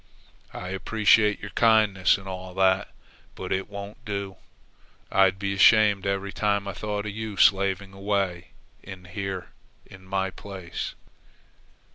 I appreciate your kindness and all that, but it won't do. I'd be ashamed every time I thought of you slaving away in here in my place."